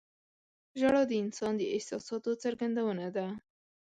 • ژړا د انسان د احساساتو څرګندونه ده.